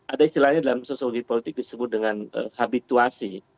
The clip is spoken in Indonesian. ada istilahnya dalam sosiologi politik disebut dengan habituasi